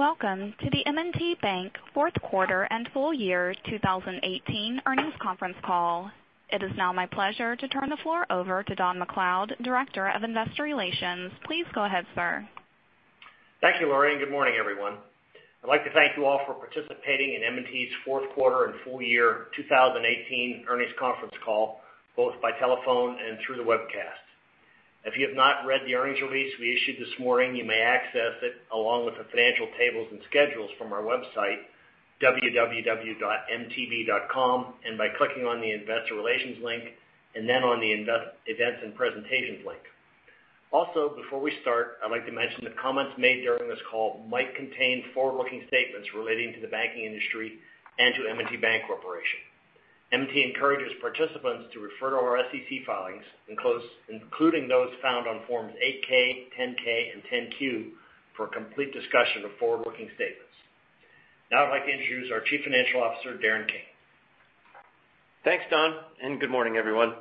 Welcome to the M&T Bank fourth quarter and full year 2018 earnings conference call. It is now my pleasure to turn the floor over to Don MacLeod, Director of Investor Relations. Please go ahead, sir. Thank you, Laurie, and good morning, everyone. I'd like to thank you all for participating in M&T Bank's fourth quarter and full year 2018 earnings conference call, both by telephone and through the webcast. If you have not read the earnings release we issued this morning, you may access it along with the financial tables and schedules from our website, www.mtb.com, and by clicking on the Investor Relations link, and then on the Events and Presentations link. Before we start, I'd like to mention that comments made during this call might contain forward-looking statements relating to the banking industry and to M&T Bank Corporation. M&T Bank encourages participants to refer to our SEC filings, including those found on Forms 8-K, 10-K, and 10-Q, for a complete discussion of forward-looking statements. I'd like to introduce our Chief Financial Officer, Darren King. Thanks, Don, and good morning, everyone.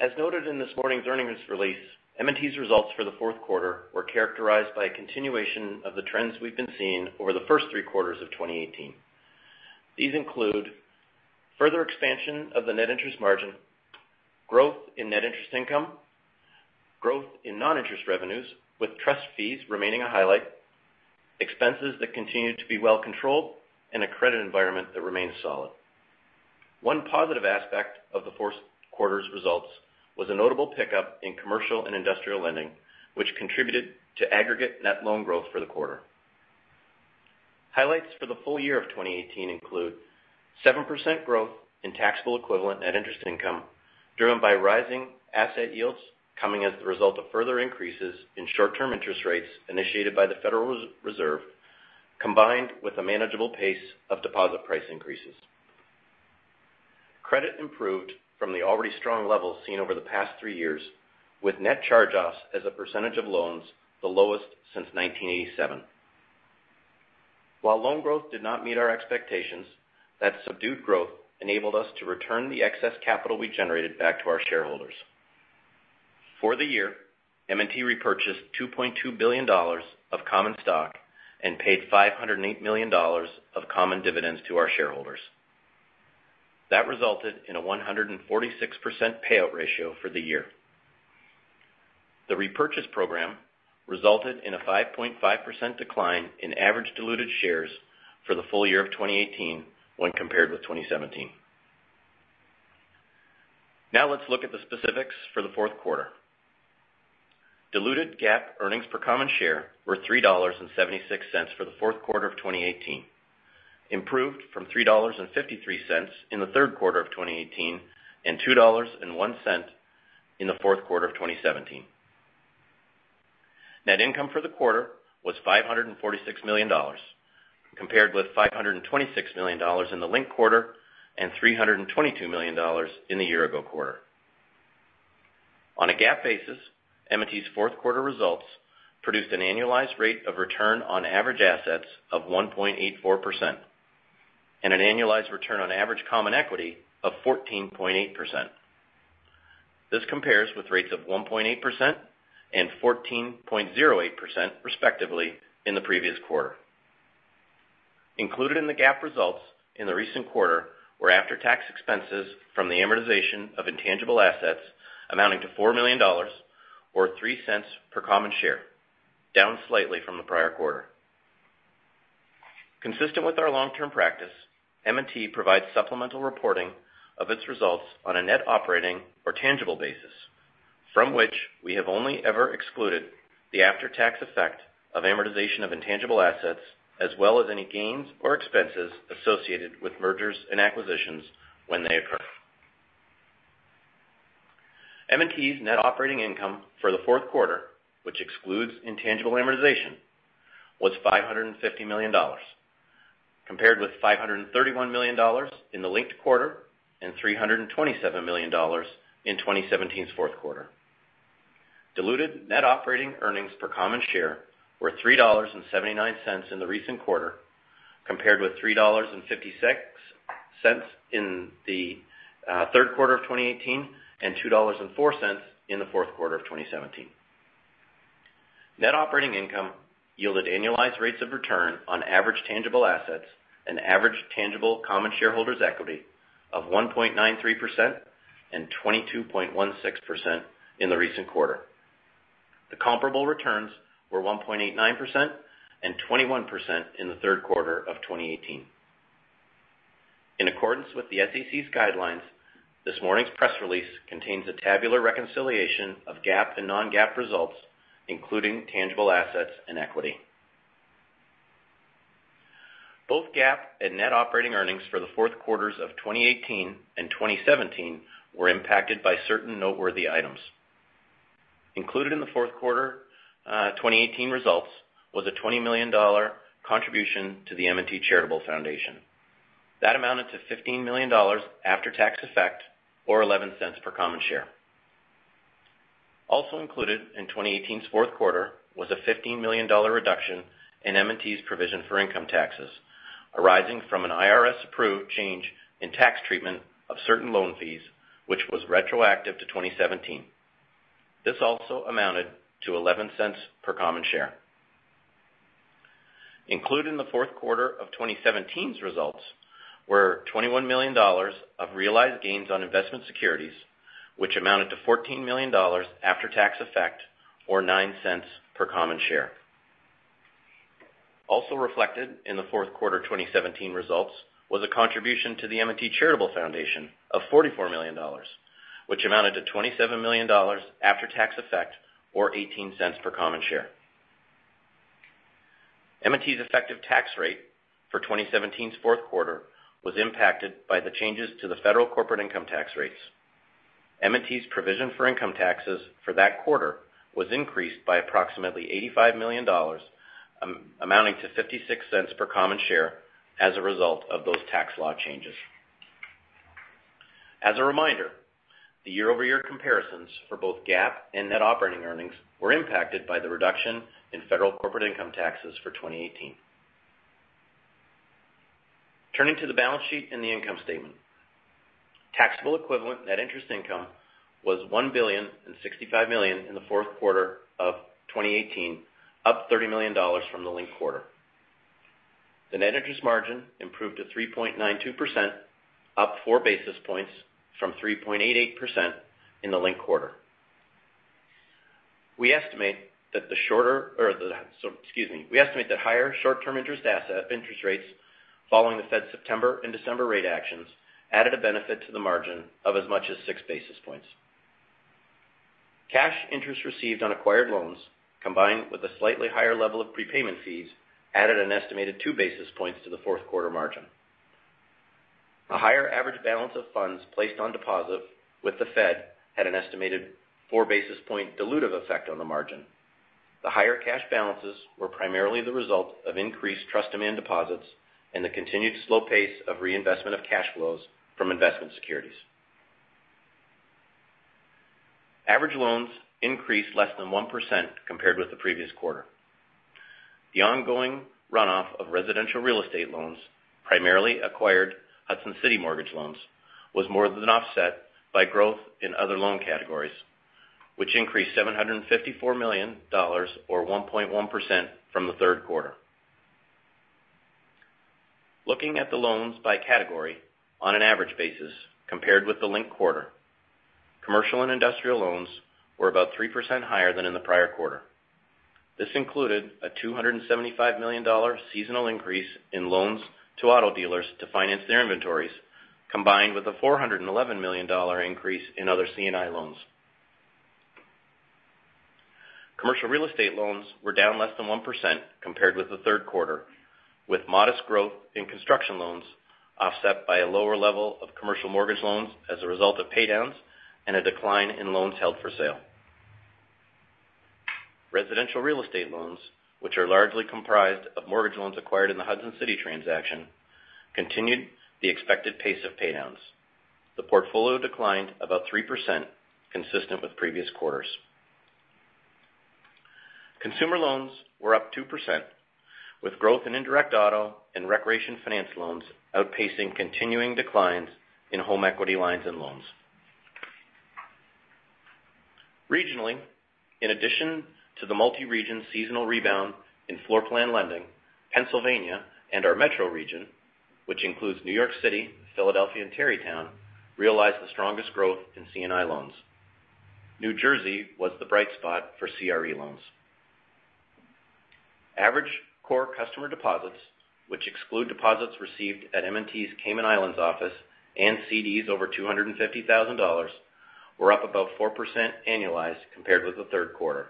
As noted in this morning's earnings release, M&T Bank's results for the fourth quarter were characterized by a continuation of the trends we've been seeing over the first three quarters of 2018. These include further expansion of the net interest margin, growth in net interest income, growth in non-interest revenues, with trust fees remaining a highlight, expenses that continued to be well controlled, and a credit environment that remains solid. One positive aspect of the fourth quarter's results was a notable pickup in commercial and industrial lending, which contributed to aggregate net loan growth for the quarter. Highlights for the full year of 2018 include 7% growth in taxable equivalent net interest income, driven by rising asset yields, coming as the result of further increases in short-term interest rates initiated by the Federal Reserve, combined with a manageable pace of deposit price increases. Credit improved from the already strong levels seen over the past three years, with net charge-offs as a percentage of loans the lowest since 1987. While loan growth did not meet our expectations, that subdued growth enabled us to return the excess capital we generated back to our shareholders. For the year, M&T Bank repurchased $2.2 billion of common stock and paid $508 million of common dividends to our shareholders. That resulted in a 146% payout ratio for the year. The repurchase program resulted in a 5.5% decline in average diluted shares for the full year of 2018 when compared with 2017. Let's look at the specifics for the fourth quarter. Diluted GAAP earnings per common share were $3.76 for the fourth quarter of 2018, improved from $3.53 in the third quarter of 2018 and $2.01 in the fourth quarter of 2017. Net income for the quarter was $546 million, compared with $526 million in the linked quarter and $322 million in the year-ago quarter. On a GAAP basis, M&T Bank's fourth quarter results produced an annualized rate of return on average assets of 1.84% and an annualized return on average common equity of 14.8%. This compares with rates of 1.8% and 14.08%, respectively, in the previous quarter. Included in the GAAP results in the recent quarter were after-tax expenses from the amortization of intangible assets amounting to $4 million, or $0.03 per common share, down slightly from the prior quarter. Consistent with our long-term practice, M&T Bank provides supplemental reporting of its results on a net operating or tangible basis, from which we have only ever excluded the after-tax effect of amortization of intangible assets, as well as any gains or expenses associated with mergers and acquisitions when they occur. M&T Bank's net operating income for the fourth quarter, which excludes intangible amortization, was $550 million, compared with $531 million in the linked quarter and $327 million in 2017's fourth quarter. Diluted net operating earnings per common share were $3.79 in the recent quarter, compared with $3.56 in the third quarter of 2018 and $2.04 in the fourth quarter of 2017. Net operating income yielded annualized rates of return on average tangible assets and average tangible common shareholders' equity of 1.93% and 22.16% in the recent quarter. The comparable returns were 1.89% and 21% in the third quarter of 2018. In accordance with the SEC's guidelines, this morning's press release contains a tabular reconciliation of GAAP and non-GAAP results, including tangible assets and equity. Both GAAP and net operating earnings for the fourth quarters of 2018 and 2017 were impacted by certain noteworthy items. Included in the fourth quarter 2018 results was a $20 million contribution to The M&T Charitable Foundation. That amounted to $15 million after-tax effect, or $0.11 per common share. Also included in 2018's fourth quarter was a $15 million reduction in M&T's provision for income taxes, arising from an IRS-approved change in tax treatment of certain loan fees, which was retroactive to 2017. This also amounted to $0.11 per common share. Included in the fourth quarter of 2017's results were $21 million of realized gains on investment securities, which amounted to $14 million after-tax effect or $0.09 per common share. Also reflected in the fourth quarter 2017 results was a contribution to The M&T Bank Charitable Foundation of $44 million, which amounted to $27 million after-tax effect or $0.18 per common share. M&T Bank's effective tax rate for 2017's fourth quarter was impacted by the changes to the federal corporate income tax rates. M&T Bank's provision for income taxes for that quarter was increased by approximately $85 million, amounting to $0.56 per common share as a result of those tax law changes. As a reminder, the year-over-year comparisons for both GAAP and net operating earnings were impacted by the reduction in federal corporate income taxes for 2018. Turning to the balance sheet and the income statement. Taxable equivalent net interest income was $1,065 million in the fourth quarter of 2018, up $30 million from the linked quarter. The net interest margin improved to 3.92%, up four basis points from 3.88% in the linked quarter. We estimate that higher short-term interest rates following the Fed's September and December rate actions added a benefit to the margin of as much as 6 basis points. Cash interest received on acquired loans, combined with a slightly higher level of prepayment fees, added an estimated 2 basis points to the fourth quarter margin. A higher average balance of funds placed on deposit with the Fed had an estimated 4 basis point dilutive effect on the margin. The higher cash balances were primarily the result of increased trust demand deposits and the continued slow pace of reinvestment of cash flows from investment securities. Average loans increased less than 1% compared with the previous quarter. The ongoing runoff of residential real estate loans, primarily acquired Hudson City mortgage loans, was more than offset by growth in other loan categories, which increased $754 million or 1.1% from the third quarter. Looking at the loans by category on an average basis compared with the linked quarter, commercial and industrial loans were about 3% higher than in the prior quarter. This included a $275 million seasonal increase in loans to auto dealers to finance their inventories, combined with a $411 million increase in other C&I loans. Commercial real estate loans were down less than 1% compared with the third quarter, with modest growth in construction loans offset by a lower level of commercial mortgage loans as a result of pay-downs and a decline in loans held for sale. Residential real estate loans, which are largely comprised of mortgage loans acquired in the Hudson City transaction, continued the expected pace of paydowns. The portfolio declined about 3%, consistent with previous quarters. Consumer loans were up 2%, with growth in indirect auto and recreation finance loans outpacing continuing declines in home equity lines and loans. Regionally, in addition to the multi-region seasonal rebound in floor plan lending, Pennsylvania and our metro region, which includes New York City, Philadelphia, and Tarrytown, realized the strongest growth in C&I loans. New Jersey was the bright spot for CRE loans. Average core customer deposits, which exclude deposits received at M&T Bank's Cayman Islands office and CDs over $250,000, were up about 4% annualized compared with the third quarter.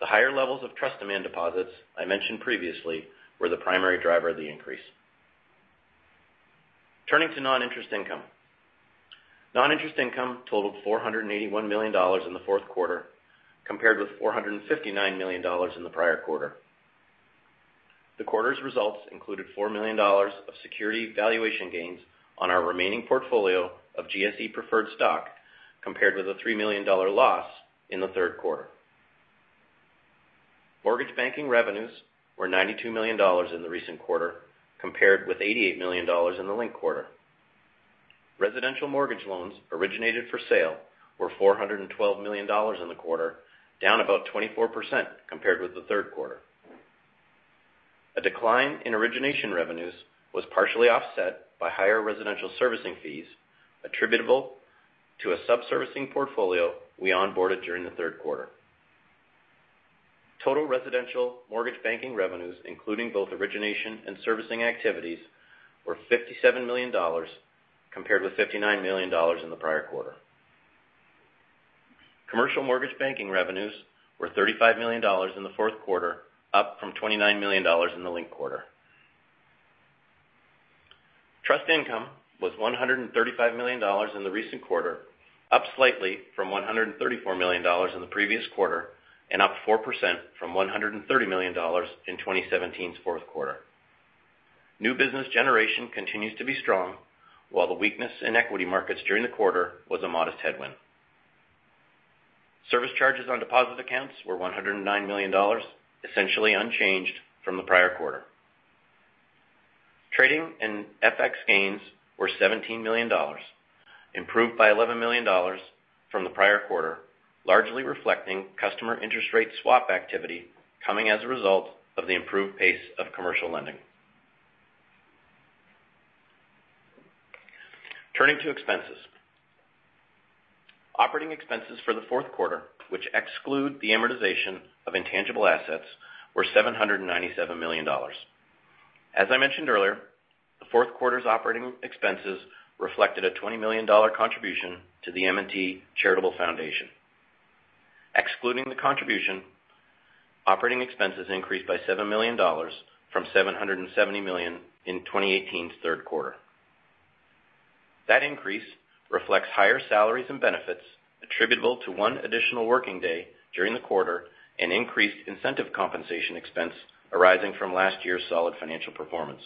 The higher levels of trust demand deposits I mentioned previously were the primary driver of the increase. Turning to non-interest income. Non-interest income totaled $481 million in the fourth quarter, compared with $459 million in the prior quarter. The quarter's results included $4 million of security valuation gains on our remaining portfolio of GSE preferred stock, compared with a $3 million loss in the third quarter. Mortgage banking revenues were $92 million in the recent quarter, compared with $88 million in the linked quarter. Residential mortgage loans originated for sale were $412 million in the quarter, down about 24% compared with the third quarter. A decline in origination revenues was partially offset by higher residential servicing fees attributable to a sub-servicing portfolio we onboarded during the third quarter. Total residential mortgage banking revenues, including both origination and servicing activities, were $57 million, compared with $59 million in the prior quarter. Commercial mortgage banking revenues were $35 million in the fourth quarter, up from $29 million in the linked quarter. Trust income was $135 million in the recent quarter, up slightly from $134 million in the previous quarter, and up 4% from $130 million in 2017's fourth quarter. New business generation continues to be strong, while the weakness in equity markets during the quarter was a modest headwind. Service charges on deposit accounts were $109 million, essentially unchanged from the prior quarter. Trading and FX gains were $17 million, improved by $11 million from the prior quarter, largely reflecting customer interest rate swap activity coming as a result of the improved pace of commercial lending. Turning to expenses. Operating expenses for the fourth quarter, which exclude the amortization of intangible assets, were $797 million. As I mentioned earlier, the fourth quarter's operating expenses reflected a $20 million contribution to The M&T Bank Charitable Foundation. Excluding the contribution, operating expenses increased by $7 million from $770 million in 2018's third quarter. That increase reflects higher salaries and benefits attributable to one additional working day during the quarter and increased incentive compensation expense arising from last year's solid financial performance.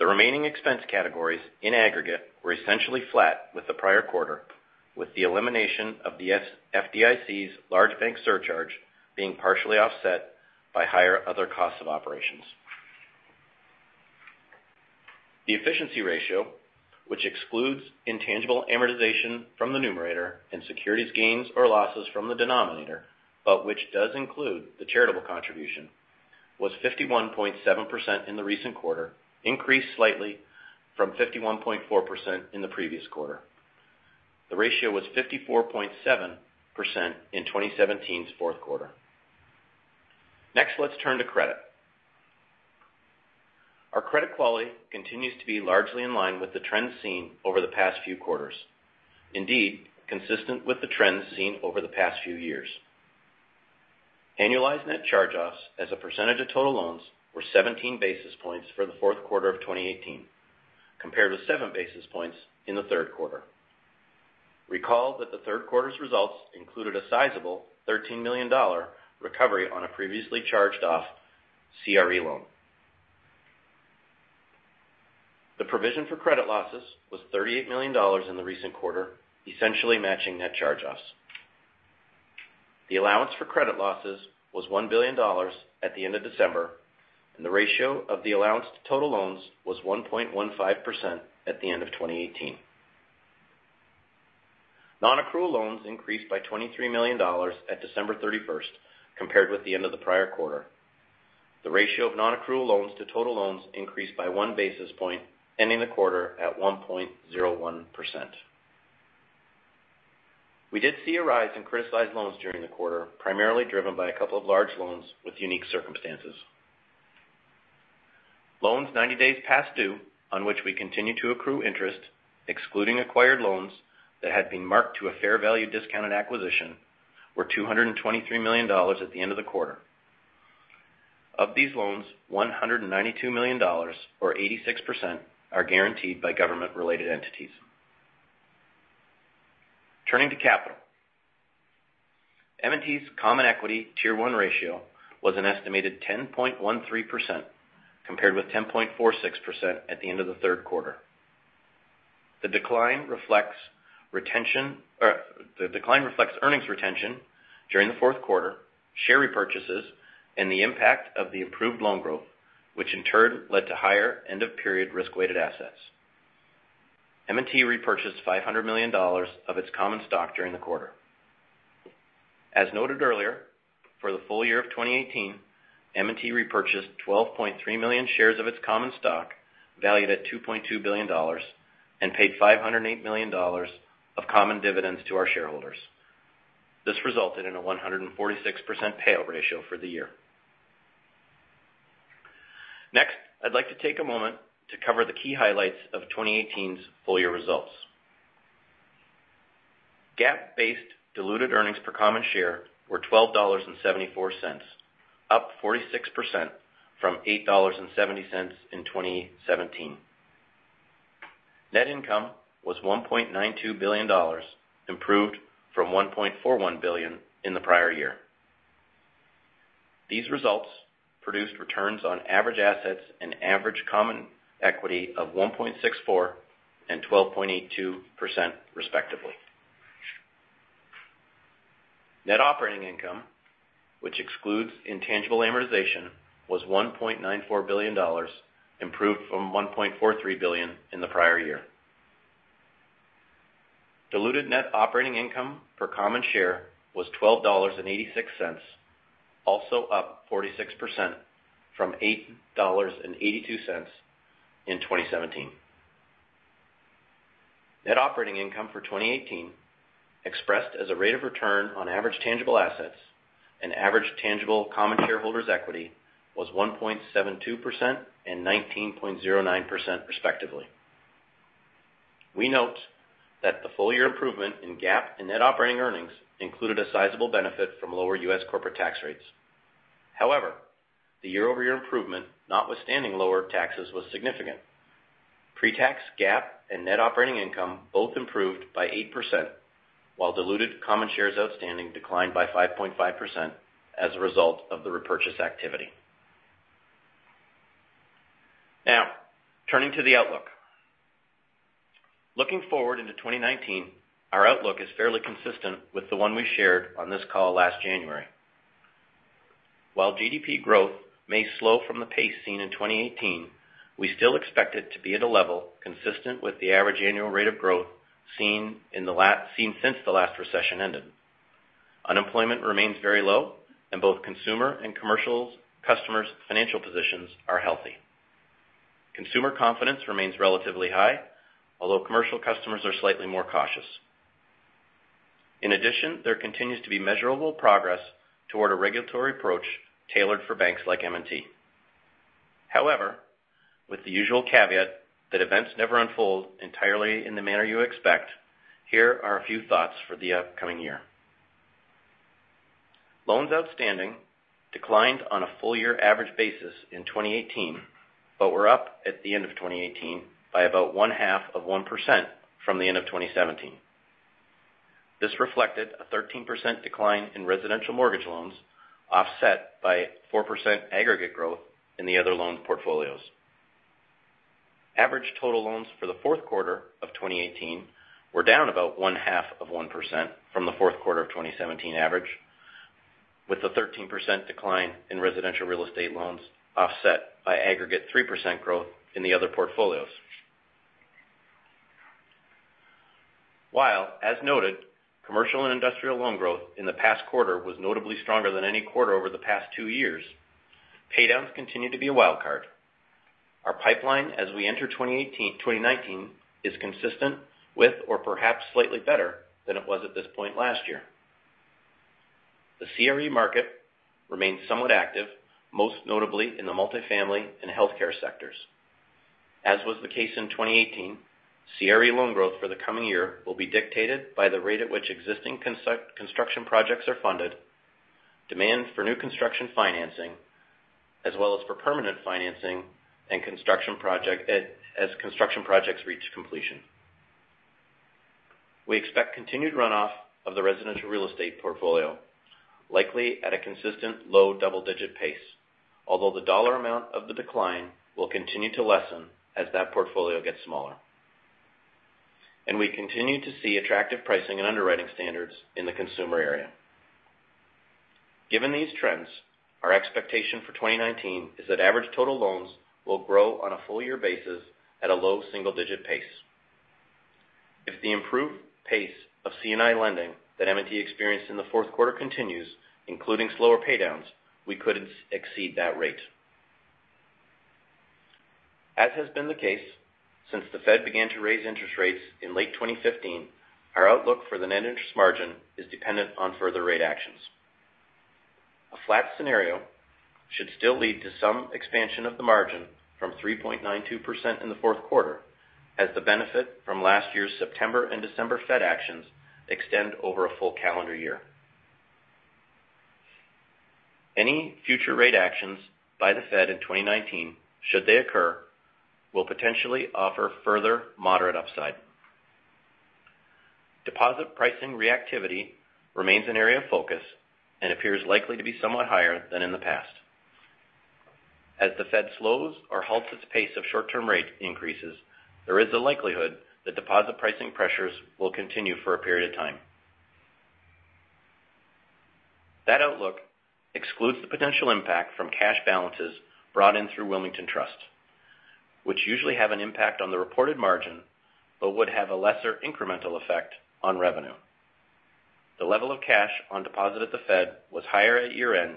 The remaining expense categories in aggregate were essentially flat with the prior quarter, with the elimination of the FDIC's large bank surcharge being partially offset by higher other costs of operations. The efficiency ratio, which excludes intangible amortization from the numerator and securities gains or losses from the denominator, but which does include the charitable contribution, was 51.7% in the recent quarter, increased slightly from 51.4% in the previous quarter. The ratio was 54.7% in 2017's fourth quarter. Next, let's turn to credit. Our credit quality continues to be largely in line with the trends seen over the past few quarters. Indeed, consistent with the trends seen over the past few years. Annualized net charge-offs as a percentage of total loans were 17 basis points for the fourth quarter of 2018, compared with seven basis points in the third quarter. Recall that the third quarter's results included a sizable $13 million recovery on a previously charged-off CRE loan. The provision for credit losses was $38 million in the recent quarter, essentially matching net charge-offs. The allowance for credit losses was $1 billion at the end of December, and the ratio of the allowance to total loans was 1.15% at the end of 2018. Nonaccrual loans increased by $23 million at December 31st, compared with the end of the prior quarter. The ratio of nonaccrual loans to total loans increased by one basis point, ending the quarter at 1.01%. We did see a rise in criticized loans during the quarter, primarily driven by a couple of large loans with unique circumstances. Loans 90 days past due, on which we continue to accrue interest, excluding acquired loans that had been marked to a fair value discount on acquisition, were $223 million at the end of the quarter. Of these loans, $192 million, or 86%, are guaranteed by government-related entities. Turning to capital. M&T Bank's common equity Tier 1 ratio was an estimated 10.13%, compared with 10.46% at the end of the third quarter. The decline reflects earnings retention during the fourth quarter, share repurchases, and the impact of the improved loan growth, which in turn led to higher end-of-period risk-weighted assets. M&T repurchased $500 million of its common stock during the quarter. As noted earlier, for the full year of 2018, M&T Bank repurchased 12.3 million shares of its common stock, valued at $2.2 billion, and paid $508 million of common dividends to our shareholders. This resulted in a 146% payout ratio for the year. Next, I'd like to take a moment to cover the key highlights of 2018's full year results. GAAP-based diluted earnings per common share were $12.74, up 46% from $8.70 in 2017. Net income was $1.92 billion, improved from $1.41 billion in the prior year. These results produced returns on average assets and average common equity of 1.64% and 12.82%, respectively. Net operating income, which excludes intangible amortization, was $1.94 billion, improved from $1.43 billion in the prior year. Diluted net operating income per common share was $12.86, also up 46% from $8.82 in 2017. Net operating income for 2018, expressed as a rate of return on average tangible assets and average tangible common shareholders' equity, was 1.72% and 19.09%, respectively. We note that the full-year improvement in GAAP and net operating earnings included a sizable benefit from lower US corporate tax rates. However, the year-over-year improvement, notwithstanding lower taxes, was significant. Pre-tax GAAP and net operating income both improved by 8%, while diluted common shares outstanding declined by 5.5% as a result of the repurchase activity. Now, turning to the outlook. Looking forward into 2019, our outlook is fairly consistent with the one we shared on this call last January. While GDP growth may slow from the pace seen in 2018, we still expect it to be at a level consistent with the average annual rate of growth seen since the last recession ended. Unemployment remains very low, and both consumer and commercial customers' financial positions are healthy. Consumer confidence remains relatively high, although commercial customers are slightly more cautious. In addition, there continues to be measurable progress toward a regulatory approach tailored for banks like M&T Bank. However, with the usual caveat that events never unfold entirely in the manner you expect, here are a few thoughts for the upcoming year. Loans outstanding declined on a full-year average basis in 2018, but were up at the end of 2018 by about one-half of 1% from the end of 2017. This reflected a 13% decline in residential mortgage loans, offset by 4% aggregate growth in the other loan portfolios. Average total loans for the fourth quarter of 2018 were down about one-half of 1% from the fourth quarter of 2017 average, with a 13% decline in residential real estate loans offset by aggregate 3% growth in the other portfolios. While, as noted, commercial and industrial loan growth in the past quarter was notably stronger than any quarter over the past two years, paydowns continue to be a wild card. Our pipeline as we enter 2019 is consistent with, or perhaps slightly better than it was at this point last year. The CRE market remains somewhat active, most notably in the multifamily and healthcare sectors. As was the case in 2018, CRE loan growth for the coming year will be dictated by the rate at which existing construction projects are funded, demand for new construction financing, as well as for permanent financing as construction projects reach completion. We expect continued runoff of the residential real estate portfolio, likely at a consistent low double-digit pace, although the dollar amount of the decline will continue to lessen as that portfolio gets smaller. We continue to see attractive pricing and underwriting standards in the consumer area. Given these trends, our expectation for 2019 is that average total loans will grow on a full-year basis at a low single-digit pace. If the improved pace of C&I lending that M&T Bank experienced in the fourth quarter continues, including slower paydowns, we could exceed that rate. As has been the case since the Fed began to raise interest rates in late 2015, our outlook for the net interest margin is dependent on further rate actions. A flat scenario should still lead to some expansion of the margin from 3.92% in the fourth quarter, as the benefit from last year's September and December Fed actions extend over a full calendar year. Any future rate actions by the Fed in 2019, should they occur, will potentially offer further moderate upside. Deposit pricing reactivity remains an area of focus and appears likely to be somewhat higher than in the past. As the Fed slows or halts its pace of short-term rate increases, there is a likelihood that deposit pricing pressures will continue for a period of time. That outlook excludes the potential impact from cash balances brought in through Wilmington Trust, which usually have an impact on the reported margin, but would have a lesser incremental effect on revenue. The level of cash on deposit at the Fed was higher at year-end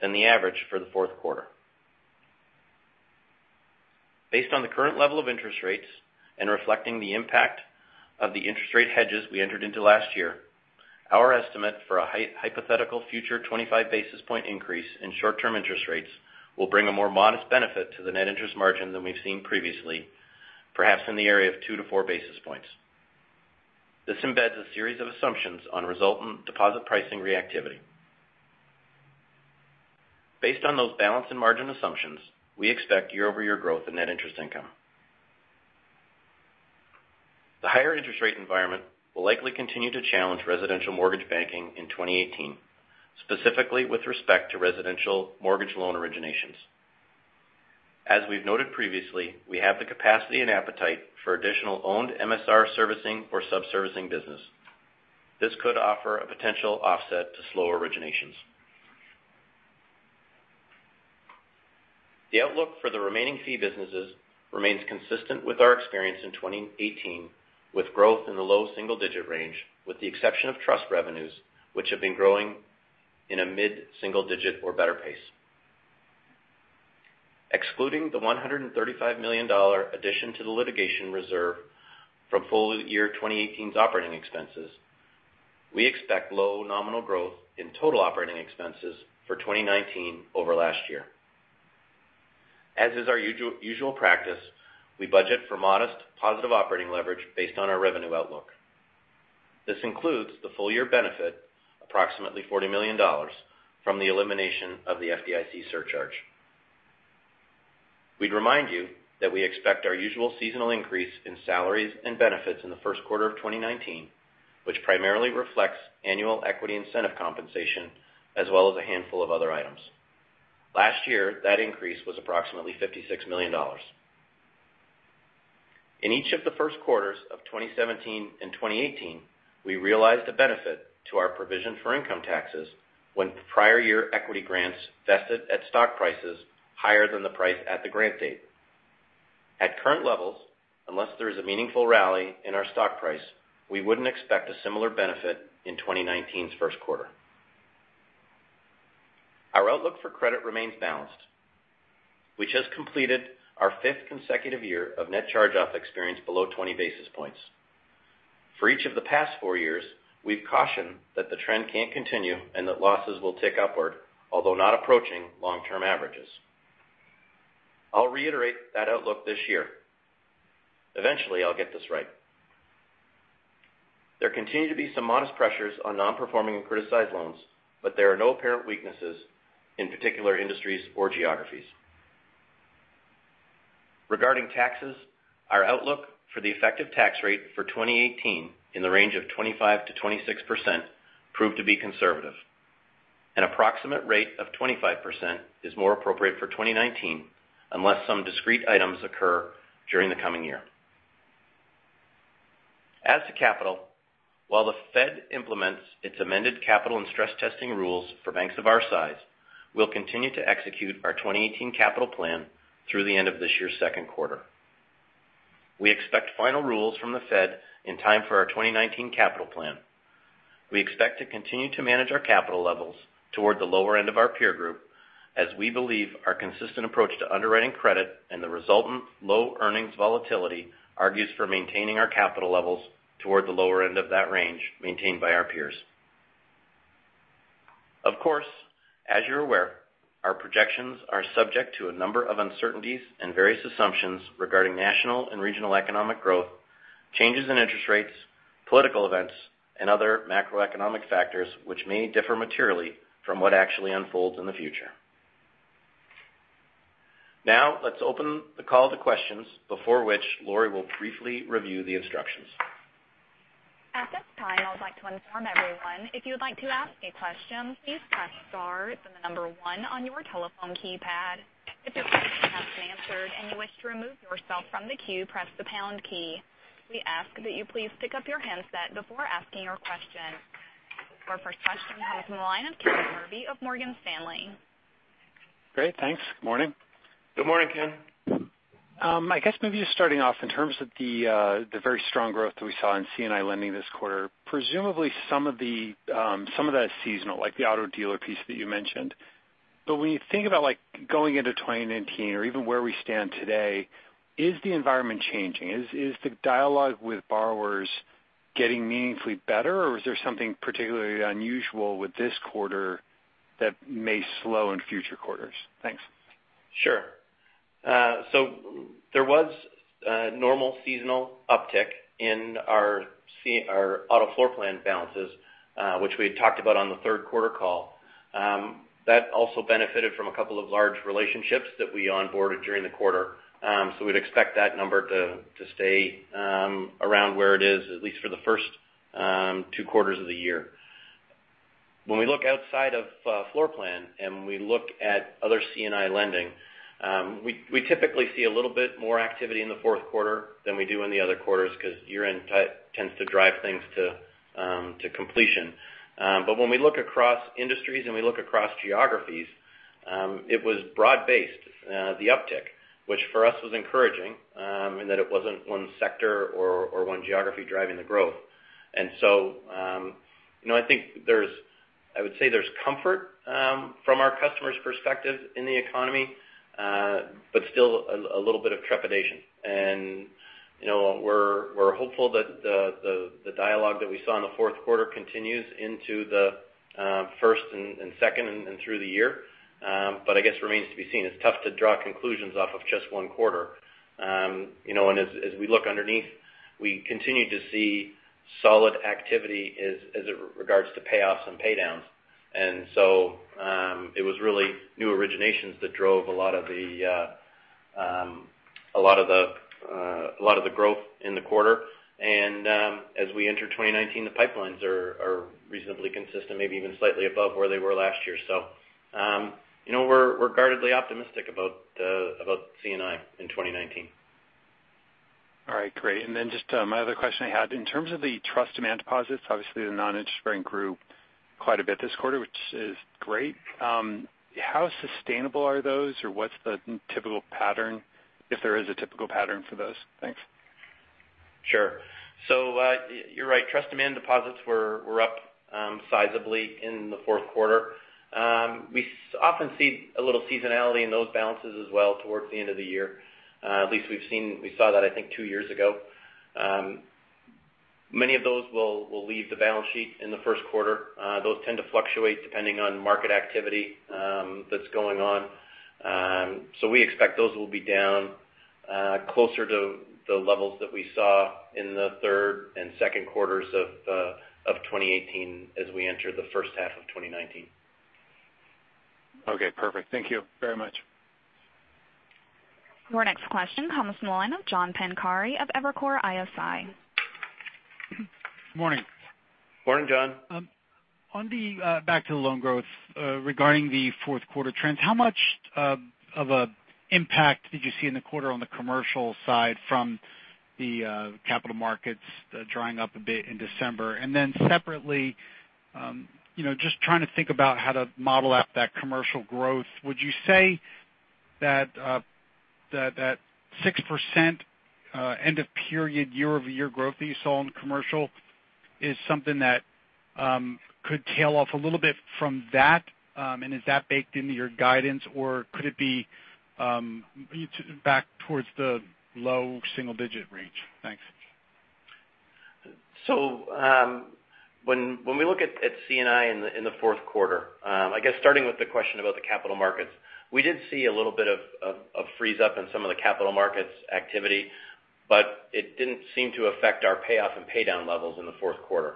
than the average for the fourth quarter. Based on the current level of interest rates and reflecting the impact of the interest rate hedges we entered into last year, our estimate for a hypothetical future 25-basis-point increase in short-term interest rates will bring a more modest benefit to the net interest margin than we've seen previously, perhaps in the area of 2 basis points-4 basis points. This embeds a series of assumptions on resultant deposit pricing reactivity. Based on those balance and margin assumptions, we expect year-over-year growth in net interest income. The higher interest rate environment will likely continue to challenge residential mortgage banking in 2018, specifically with respect to residential mortgage loan originations. As we've noted previously, we have the capacity and appetite for additional owned MSR servicing or subservicing business. This could offer a potential offset to slower originations. The outlook for the remaining fee businesses remains consistent with our experience in 2018, with growth in the low single-digit range, with the exception of trust revenues, which have been growing in a mid-single-digit or better pace. Excluding the $135 million addition to the litigation reserve from full year 2018's operating expenses, we expect low nominal growth in total operating expenses for 2019 over last year. As is our usual practice, we budget for modest positive operating leverage based on our revenue outlook. This includes the full-year benefit, approximately $40 million, from the elimination of the FDIC surcharge. We'd remind you that we expect our usual seasonal increase in salaries and benefits in the first quarter of 2019, which primarily reflects annual equity incentive compensation as well as a handful of other items. Last year, that increase was approximately $56 million. In each of the first quarters of 2017 and 2018, we realized a benefit to our provision for income taxes when prior year equity grants vested at stock prices higher than the price at the grant date. At current levels, unless there is a meaningful rally in our stock price, we wouldn't expect a similar benefit in 2019's first quarter. Our outlook for credit remains balanced. We just completed our fifth consecutive year of net charge-off experience below 20 basis points. For each of the past four years, we've cautioned that the trend can't continue and that losses will tick upward, although not approaching long-term averages. I'll reiterate that outlook this year. Eventually, I'll get this right. There continue to be some modest pressures on non-performing and criticized loans, but there are no apparent weaknesses, in particular, industries or geographies. Regarding taxes, our outlook for the effective tax rate for 2018 in the range of 25%-26% proved to be conservative. An approximate rate of 25% is more appropriate for 2019, unless some discrete items occur during the coming year. As to capital, while the Fed implements its amended capital and stress testing rules for banks of our size, we'll continue to execute our 2018 capital plan through the end of this year's second quarter. We expect final rules from the Fed in time for our 2019 capital plan. We expect to continue to manage our capital levels toward the lower end of our peer group, as we believe our consistent approach to underwriting credit and the resultant low earnings volatility argues for maintaining our capital levels toward the lower end of that range maintained by our peers. Of course, as you're aware, our projections are subject to a number of uncertainties and various assumptions regarding national and regional economic growth, changes in interest rates, political events, and other macroeconomic factors which may differ materially from what actually unfolds in the future. Let's open the call to questions, before which Laurie will briefly review the instructions. At this time, I would like to inform everyone, if you would like to ask a question, please press star, then the number one on your telephone keypad. If your question has been answered and you wish to remove yourself from the queue, press the pound key. We ask that you please pick up your handset before asking your question. Our first question is from the line of Ken Zerbe of Morgan Stanley. Great. Thanks. Good morning. Good morning, Ken. I guess maybe just starting off in terms of the very strong growth that we saw in C&I lending this quarter, presumably some of that is seasonal, like the auto dealer piece that you mentioned. When you think about going into 2019 or even where we stand today, is the environment changing? Is the dialogue with borrowers getting meaningfully better, or is there something particularly unusual with this quarter that may slow in future quarters? Thanks. Sure. There was a normal seasonal uptick in our auto floor plan balances, which we had talked about on the third quarter call. That also benefited from a couple of large relationships that we onboarded during the quarter. We'd expect that number to stay around where it is, at least for the first two quarters of the year. When we look outside of floor plan and we look at other C&I lending, we typically see a little bit more activity in the fourth quarter than we do in the other quarters because year-end tends to drive things to completion. When we look across industries and we look across geographies, it was broad-based, the uptick, which for us was encouraging, in that it wasn't one sector or one geography driving the growth. I would say there's comfort from our customers' perspective in the economy, but still a little bit of trepidation. We're hopeful that the dialogue that we saw in the fourth quarter continues into the first and second and through the year. I guess remains to be seen. It's tough to draw conclusions off of just one quarter. As we look underneath, we continue to see solid activity as it regards to payoffs and paydowns. It was really new originations that drove a lot of the growth in the quarter. As we enter 2019, the pipelines are reasonably consistent, maybe even slightly above where they were last year. We're guardedly optimistic about C&I in 2019. All right. Great. Just my other question I had, in terms of the trust demand deposits, obviously the non-interest bearing group quite a bit this quarter, which is great. How sustainable are those, or what's the typical pattern, if there is a typical pattern for those? Thanks. Sure. You're right. Trust demand deposits were up sizably in the fourth quarter. We often see a little seasonality in those balances as well towards the end of the year. At least we saw that, I think, two years ago. Many of those will leave the balance sheet in the first quarter. Those tend to fluctuate depending on market activity that's going on. We expect those will be down closer to the levels that we saw in the third and second quarters of 2018 as we enter the first half of 2019. Okay, perfect. Thank you very much. Your next question comes from the line of John Pancari of Evercore ISI. Good morning. Morning, John. Back to the loan growth, regarding the fourth quarter trends, how much of an impact did you see in the quarter on the commercial side from the capital markets drying up a bit in December? Separately, just trying to think about how to model out that commercial growth. Would you say that 6% end of period year-over-year growth that you saw in commercial is something that could tail off a little bit from that? Is that baked into your guidance, or could it be back towards the low single-digit range? Thanks. When we look at C&I in the fourth quarter, I guess starting with the question about the capital markets. We did see a little bit of a freeze up in some of the capital markets activity, but it didn't seem to affect our payoff and paydown levels in the fourth quarter.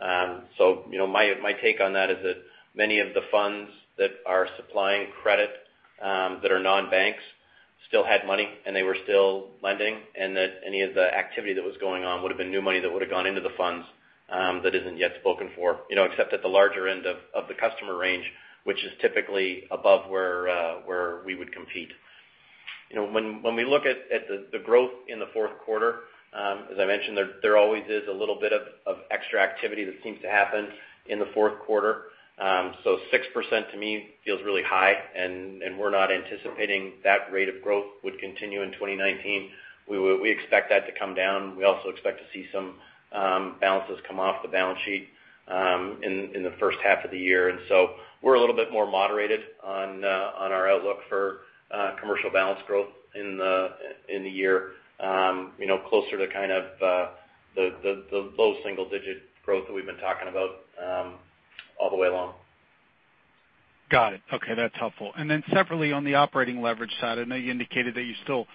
My take on that is that many of the funds that are supplying credit that are non-banks still had money, and they were still lending, and that any of the activity that was going on would've been new money that would've gone into the funds that isn't yet spoken for. Except at the larger end of the customer range, which is typically above where we would compete. When we look at the growth in the fourth quarter, as I mentioned, there always is a little bit of extra activity that seems to happen in the fourth quarter. 6% to me feels really high, and we're not anticipating that rate of growth would continue in 2019. We expect that to come down. We also expect to see some balances come off the balance sheet in the first half of the year. We're a little bit more moderated on our outlook for commercial balance growth in the year. Closer to kind of the low single-digit growth that we've been talking about all the way along. Got it. Okay, that's helpful. Separately, on the operating leverage side, I know you indicated that you still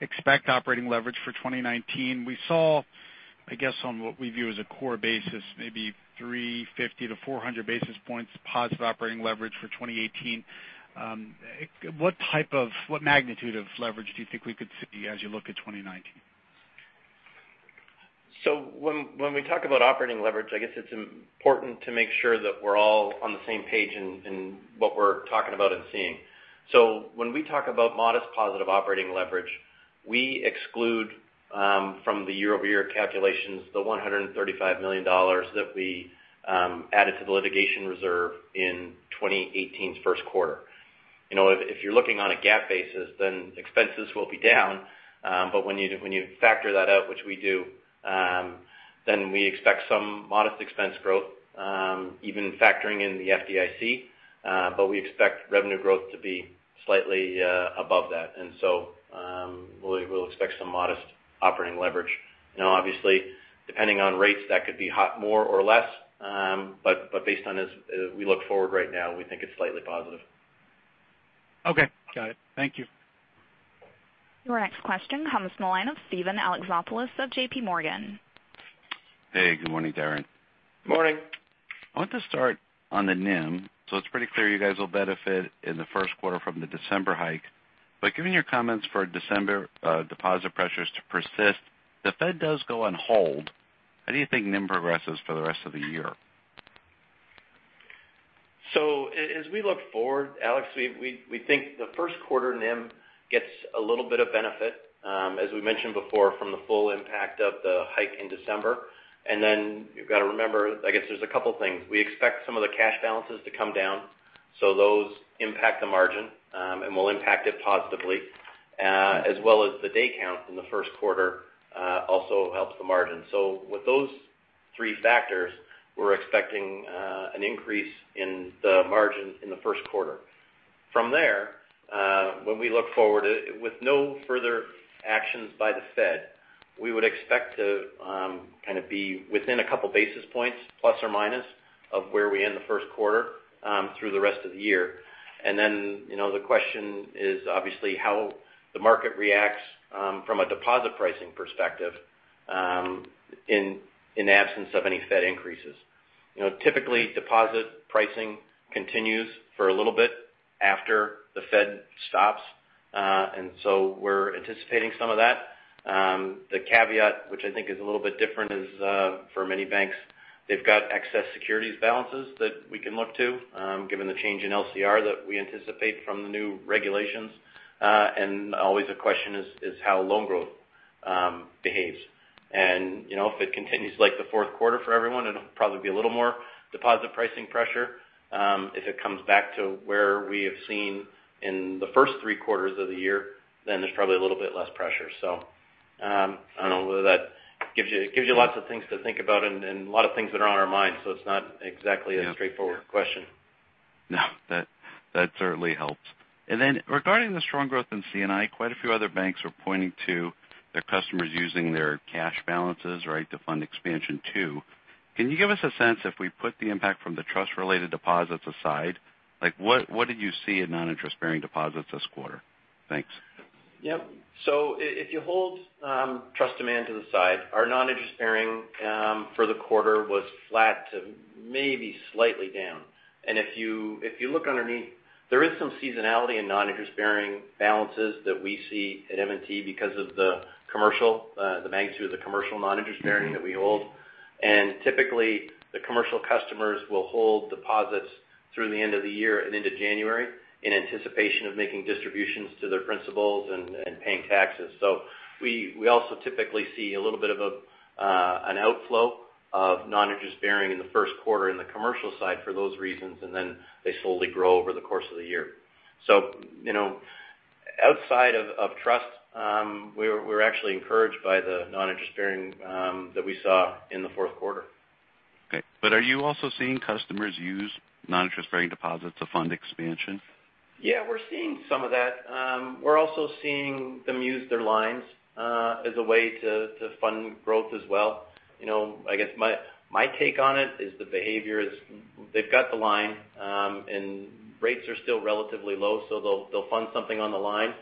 expect operating leverage for 2019. We saw, I guess, on what we view as a core basis, maybe 350 basis points-400 basis points positive operating leverage for 2018. What magnitude of leverage do you think we could see as you look at 2019? When we talk about operating leverage, I guess it's important to make sure that we're all on the same page in what we're talking about and seeing. When we talk about modest positive operating leverage, we exclude from the year-over-year calculations the $135 million that we added to the litigation reserve in 2018's first quarter. If you're looking on a GAAP basis, expenses will be down. When you factor that out, which we do, we expect some modest expense growth, even factoring in the FDIC. We expect revenue growth to be slightly above that. We'll expect some modest operating leverage. Obviously, depending on rates, that could be more or less. Based on as we look forward right now, we think it's slightly positive. Okay. Got it. Thank you. Your next question comes from the line of Steven Alexopoulos of JPMorgan. Hey, good morning, Darren. Morning. I want to start on the NIM. It's pretty clear you guys will benefit in the first quarter from the December hike. Given your comments for December deposit pressures to persist, the Fed does go on hold, how do you think NIM progresses for the rest of the year? As we look forward, Alexopoulos, we think the first quarter NIM gets a little bit of benefit, as we mentioned before, from the full impact of the hike in December. You've got to remember, I guess there's a couple things. We expect some of the cash balances to come down. Those impact the margin and will impact it positively, as well as the day count in the first quarter also helps the margin. With those three factors, we're expecting an increase in the margin in the first quarter. From there, when we look forward, with no further actions by the Fed, we would expect to kind of be within a couple basis points, plus or minus, of where we end the first quarter through the rest of the year. The question is obviously how the market reacts from a deposit pricing perspective in absence of any Fed increases. Typically, deposit pricing continues for a little bit after the Fed stops. We're anticipating some of that. The caveat, which I think is a little bit different, is for many banks, they've got excess securities balances that we can look to given the change in LCR that we anticipate from the new regulations. Always a question is how loan growth behaves. If it continues like the fourth quarter for everyone, it'll probably be a little more deposit pricing pressure. If it comes back to where we have seen in the first three quarters of the year, there's probably a little bit less pressure. I don't know whether that gives you lots of things to think about and a lot of things that are on our minds. It's not exactly a straightforward question. No, that certainly helps. Regarding the strong growth in C&I, quite a few other banks are pointing to their customers using their cash balances, right, to fund expansion too. Can you give us a sense if we put the impact from the trust-related deposits aside, like what did you see in non-interest-bearing deposits this quarter? Thanks. Yep. If you hold trust demand to the side, our non-interest-bearing for the quarter was flat to maybe slightly down. If you look underneath, there is some seasonality in non-interest-bearing balances that we see at M&T Bank because of the magnitude of the commercial non-interest bearing that we hold. Typically, the commercial customers will hold deposits through the end of the year and into January in anticipation of making distributions to their principals and paying taxes. We also typically see a little bit of an outflow of non-interest bearing in the first quarter in the commercial side for those reasons, and then they slowly grow over the course of the year. Outside of trust, we're actually encouraged by the non-interest bearing that we saw in the fourth quarter. Okay. Are you also seeing customers use non-interest-bearing deposits to fund expansion? Yeah. We're seeing some of that. We're also seeing them use their lines as a way to fund growth as well. I guess my take on it is the behavior is they've got the line, and rates are still relatively low, they'll fund something on the line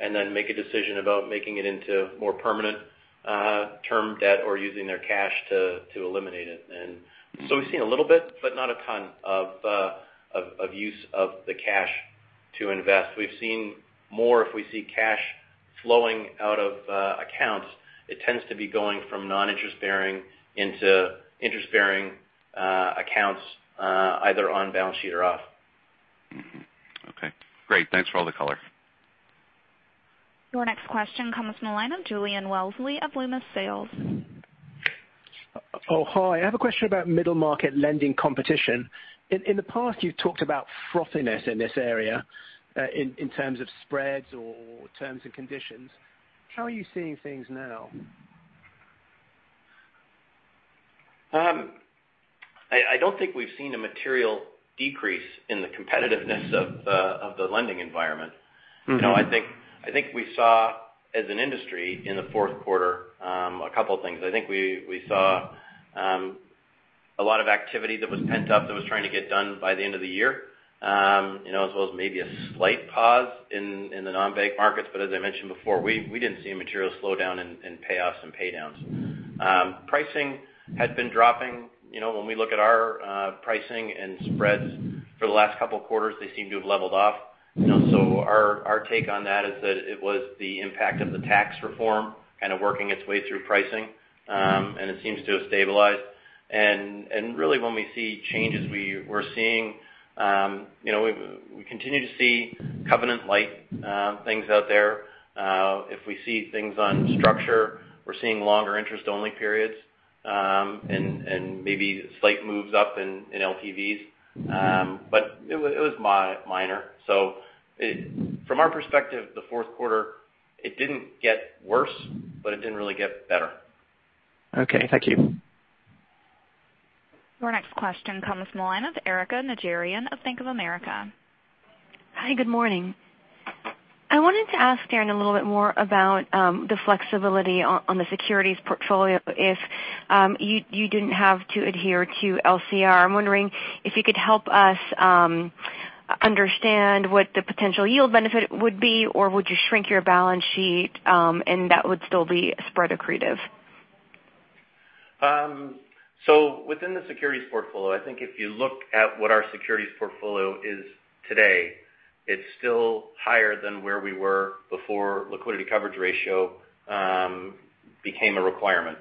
and then make a decision about making it into more permanent term debt or using their cash to eliminate it. We've seen a little bit, but not a ton of use of the cash to invest. We've seen more if we see cash flowing out of accounts. It tends to be going from non-interest bearing into interest-bearing accounts either on-balance sheet or off. Mm-hmm. Okay, great. Thanks for all the color. Your next question comes from the line of Julian Wellesley of Loomis Sayles. Oh, hi. I have a question about middle-market lending competition. In the past, you've talked about frothiness in this area, in terms of spreads or terms and conditions. How are you seeing things now? I don't think we've seen a material decrease in the competitiveness of the lending environment. I think we saw as an industry in the fourth quarter a couple of things. I think we saw a lot of activity that was pent up that was trying to get done by the end of the year as well as maybe a slight pause in the non-bank markets. As I mentioned before, we didn't see a material slowdown in payoffs and pay downs. Pricing had been dropping. When we look at our pricing and spreads for the last couple of quarters, they seem to have leveled off. Our take on that is that it was the impact of the tax reform kind of working its way through pricing. It seems to have stabilized. Really when we see changes, we continue to see covenant light things out there. If we see things on structure, we're seeing longer interest-only periods and maybe slight moves up in LTVs. It was minor. From our perspective, the fourth quarter, it didn't get worse, but it didn't really get better. Okay. Thank you. Your next question comes from the line of Erika Najarian of Bank of America. Hi, good morning. I wanted to ask Darren a little bit more about the flexibility on the securities portfolio if you didn't have to adhere to LCR. I'm wondering if you could help us understand what the potential yield benefit would be, or would you shrink your balance sheet and that would still be spread accretive? Within the securities portfolio, I think if you look at what our securities portfolio is today, it's still higher than where we were before liquidity coverage ratio became a requirement.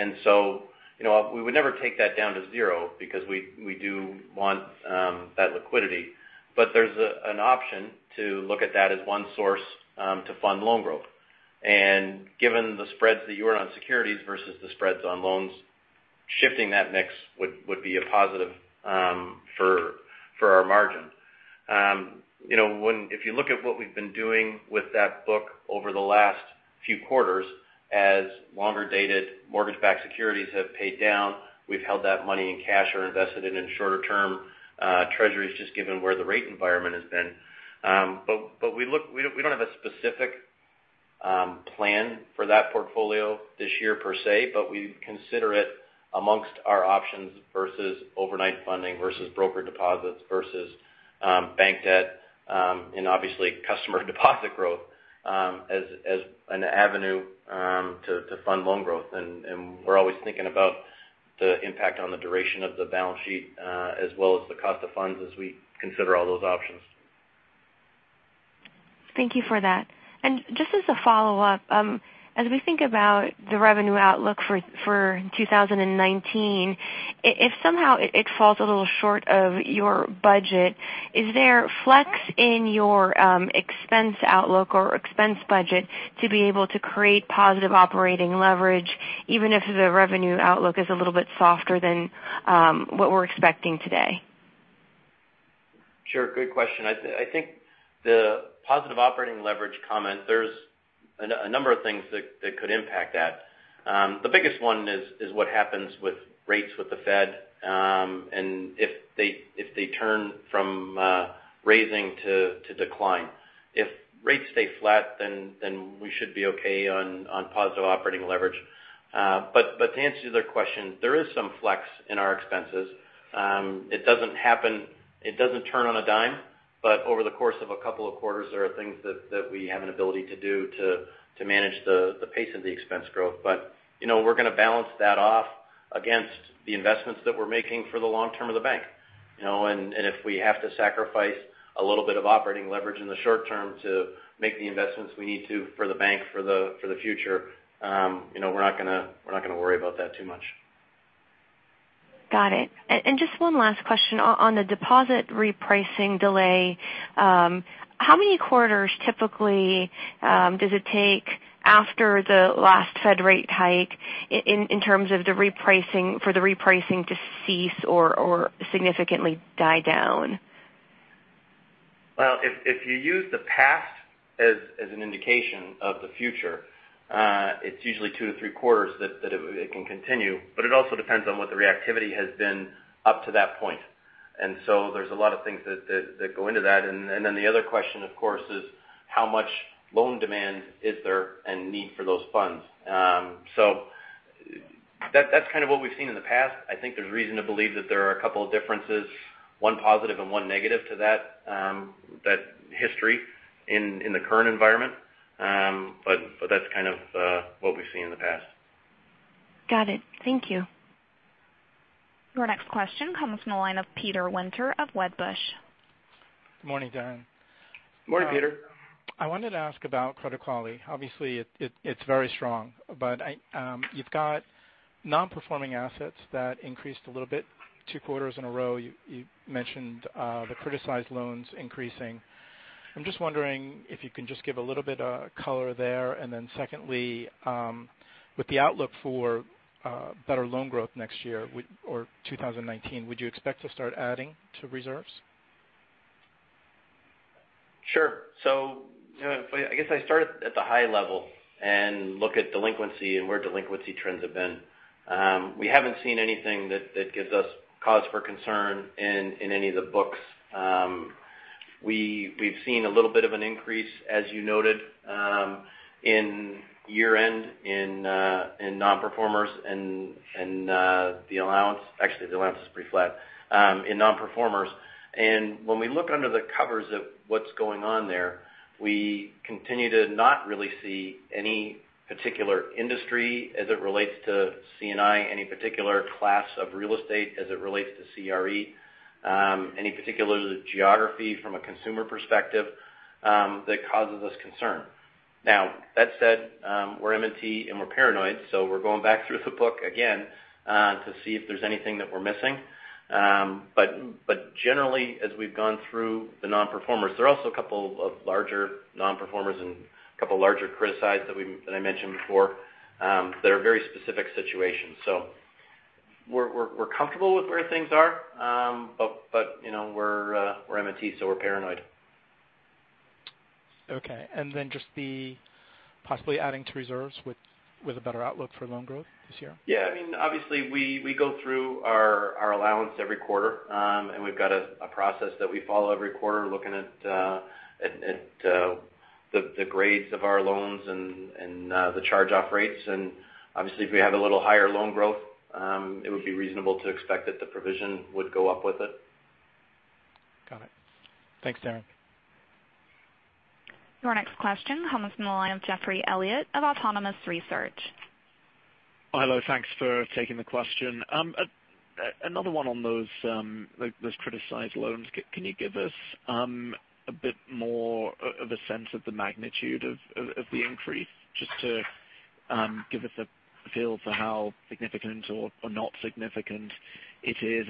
We would never take that down to zero because we do want that liquidity. There's an option to look at that as one source to fund loan growth. Given the spreads that you earn on securities versus the spreads on loans, shifting that mix would be a positive for our margin. If you look at what we've been doing with that book over the last few quarters, as longer-dated mortgage-backed securities have paid down, we've held that money in cash or invested it in shorter term treasuries just given where the rate environment has been. We don't have a specific plan for that portfolio this year per se, but we consider it amongst our options versus overnight funding versus broker deposits versus bank debt and obviously customer deposit growth as an avenue to fund loan growth. We're always thinking about the impact on the duration of the balance sheet as well as the cost of funds as we consider all those options. Thank you for that. Just as a follow-up, as we think about the revenue outlook for 2019, if somehow it falls a little short of your budget, is there flex in your expense outlook or expense budget to be able to create positive operating leverage even if the revenue outlook is a little bit softer than what we're expecting today? Sure. Good question. I think the positive operating leverage comment, there's a number of things that could impact that. The biggest one is what happens with rates with the Fed and if they turn from raising to decline. If rates stay flat, we should be okay on positive operating leverage. To answer your question, there is some flex in our expenses. It doesn't turn on a dime. Over the course of a couple of quarters, there are things that we have an ability to do to manage the pace of the expense growth. We're going to balance that off against the investments that we're making for the long term of the bank. If we have to sacrifice a little bit of operating leverage in the short term to make the investments we need to for the bank for the future, we're not going to worry about that too much. Got it. Just one last question on the deposit repricing delay. How many quarters typically does it take after the last Fed rate hike in terms of for the repricing to cease or significantly die down? Well, if you use the past as an indication of the future, it's usually two to three quarters that it can continue, but it also depends on what the reactivity has been up to that point. There's a lot of things that go into that. The other question, of course, is how much loan demand is there and need for those funds? That's kind of what we've seen in the past. I think there's reason to believe that there are a couple of differences, one positive and one negative to that history in the current environment. That's kind of what we've seen in the past. Got it. Thank you. Your next question comes from the line of Peter Winter of Wedbush. Good morning, Darren. Morning, Peter. I wanted to ask about credit quality. Obviously, it's very strong, you've got non-performing assets that increased a little bit two quarters in a row. You mentioned the criticized loans increasing. I'm just wondering if you can just give a little bit of color there. Secondly, with the outlook for better loan growth next year, or 2019, would you expect to start adding to reserves? Sure. I guess I start at the high level and look at delinquency and where delinquency trends have been. We haven't seen anything that gives us cause for concern in any of the books. We've seen a little bit of an increase, as you noted, in year-end in non-performers and the allowance, actually the allowance is pretty flat, in non-performers. When we look under the covers of what's going on there, we continue to not really see any particular industry as it relates to C&I, any particular class of real estate as it relates to CRE, any particular geography from a consumer perspective that causes us concern. That said, we're M&T and we're paranoid, so we're going back through the book again to see if there's anything that we're missing. Generally, as we've gone through the non-performers, there are also a couple of larger non-performers and a couple larger criticized that I mentioned before that are very specific situations. We're comfortable with where things are, but we're M&T Bank, so we're paranoid. Just the possibly adding to reserves with a better outlook for loan growth this year? Obviously, we go through our allowance every quarter, we've got a process that we follow every quarter looking at the grades of our loans and the charge-off rates. Obviously, if we have a little higher loan growth, it would be reasonable to expect that the provision would go up with it. Got it. Thanks, Darren. Your next question comes from the line of Geoffrey Elliott of Autonomous Research. Hi. Thanks for taking the question. Another one on those criticized loans. Can you give us a bit more of a sense of the magnitude of the increase, just to give us a feel for how significant or not significant it is?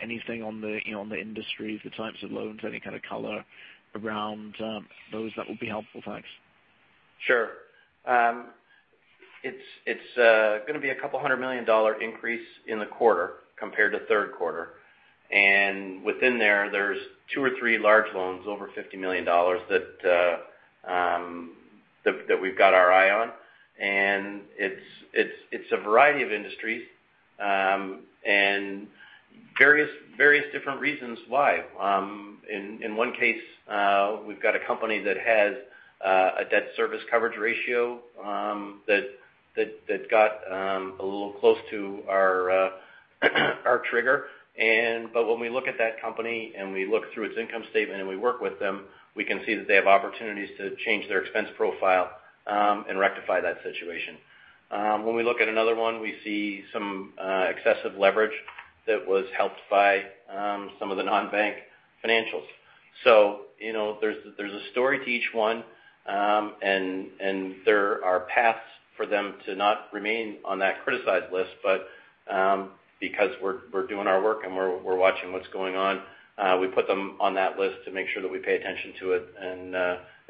Anything on the industries, the types of loans, any kind of color around those, that would be helpful. Thanks. Sure. It's going to be a couple hundred million dollar increase in the quarter compared to third quarter. Within there's two or three large loans over $50 million that we've got our eye on. It's a variety of industries, and various different reasons why. In one case, we've got a company that has a debt service coverage ratio that got a little close to our trigger. When we look at that company and we look through its income statement and we work with them, we can see that they have opportunities to change their expense profile and rectify that situation. When we look at another one, we see some excessive leverage that was helped by some of the non-bank financials. There's a story to each one, and there are paths for them to not remain on that criticized list. Because we're doing our work and we're watching what's going on, we put them on that list to make sure that we pay attention to it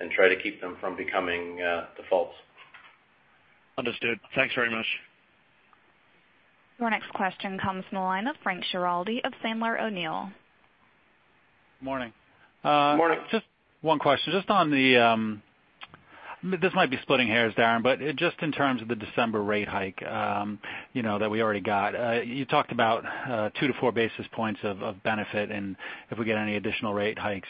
and try to keep them from becoming defaults. Understood. Thanks very much. Your next question comes from the line of Frank Schiraldi of Sandler O'Neill. Morning. Morning. Just one question. This might be splitting hairs, Darren, just in terms of the December rate hike that we already got. You talked about 2 basis points-4 basis points of benefit and if we get any additional rate hikes,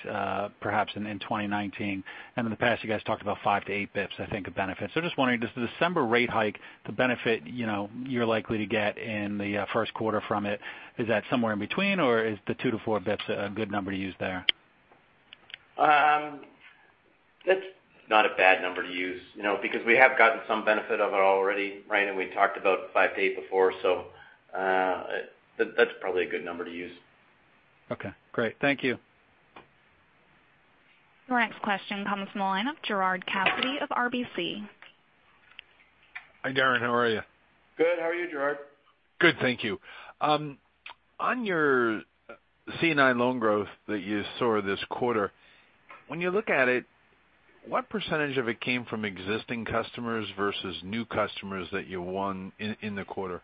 perhaps in 2019. In the past, you guys talked about 5 basis points-8 basis points, I think, of benefits. Just wondering, does the December rate hike, the benefit you're likely to get in the first quarter from it, is that somewhere in between, or is the 2 basis points-4 basis points a good number to use there? That's not a bad number to use because we have gotten some benefit of it already, Frank, and we talked about five to eight before. That's probably a good number to use. Okay, great. Thank you. Your next question comes from the line of Gerard Cassidy of RBC. Hi, Darren. How are you? Good. How are you, Gerard? Good, thank you. On your C&I loan growth that you saw this quarter, when you look at it, what percentage of it came from existing customers versus new customers that you won in the quarter?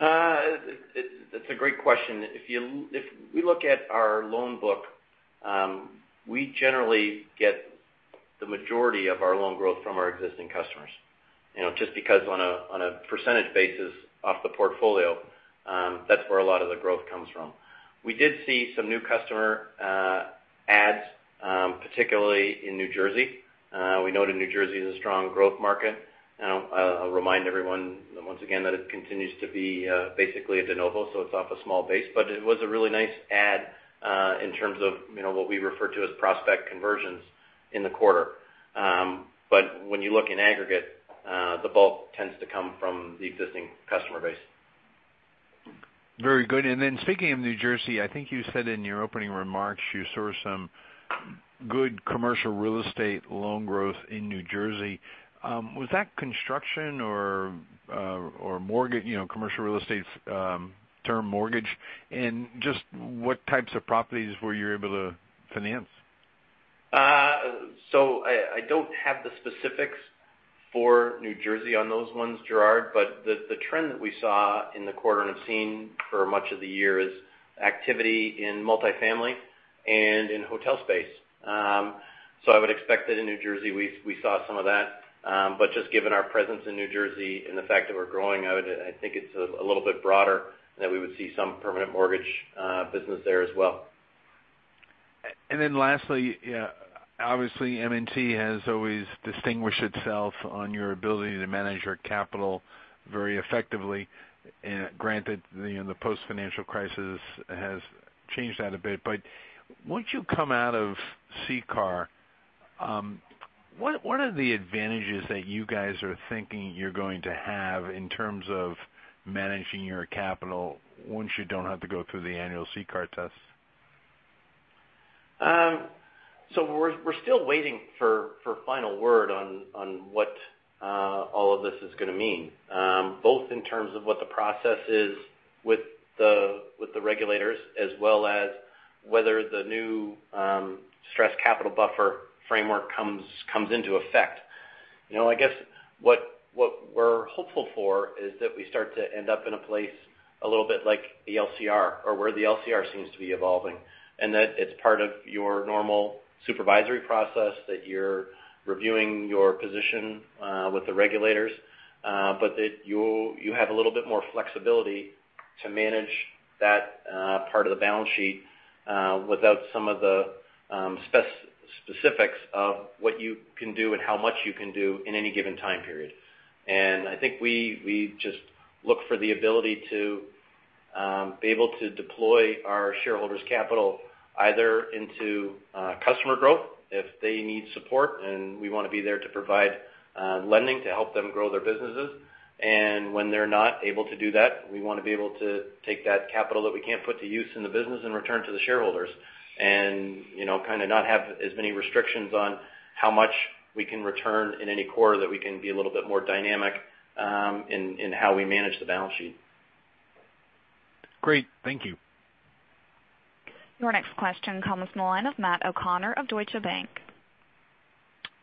That's a great question. If we look at our loan book, we generally get the majority of our loan growth from our existing customers. Just because on a percentage basis off the portfolio, that's where a lot of the growth comes from. We did see some new customer adds, particularly in New Jersey. We know that New Jersey is a strong growth market. I'll remind everyone once again that it continues to be basically a de novo, so it's off a small base. It was a really nice add in terms of what we refer to as prospect conversions in the quarter. When you look in aggregate, the bulk tends to come from the existing customer base. Very good. Speaking of New Jersey, I think you said in your opening remarks you saw some good commercial real estate loan growth in New Jersey. Was that construction or commercial real estate's term mortgage? Just what types of properties were you able to finance? I don't have the specifics for New Jersey on those ones, Gerard. The trend that we saw in the quarter, and have seen for much of the year, is activity in multifamily and in hotel space. I would expect that in New Jersey we saw some of that. Just given our presence in New Jersey and the fact that we're growing out, I think it's a little bit broader that we would see some permanent mortgage business there as well. Lastly, obviously M&T Bank has always distinguished itself on your ability to manage your capital very effectively. Granted, the post-financial crisis has changed that a bit. Once you come out of CCAR, what are the advantages that you guys are thinking you're going to have in terms of managing your capital once you don't have to go through the annual CCAR tests? We're still waiting for final word on what all of this is going to mean. Both in terms of what the process is with the regulators, as well as whether the new stress capital buffer framework comes into effect. I guess what we're hopeful for is that we start to end up in a place a little bit like the LCR or where the LCR seems to be evolving. That it's part of your normal supervisory process that you're reviewing your position with the regulators. That you have a little bit more flexibility to manage that part of the balance sheet without some of the specifics of what you can do and how much you can do in any given time period. I think we just look for the ability to be able to deploy our shareholders' capital either into customer growth if they need support, and we want to be there to provide lending to help them grow their businesses. When they're not able to do that, we want to be able to take that capital that we can't put to use in the business and return to the shareholders. Kind of not have as many restrictions on how much we can return in any quarter, that we can be a little bit more dynamic in how we manage the balance sheet. Great. Thank you. Your next question comes from the line of Matt O'Connor of Deutsche Bank.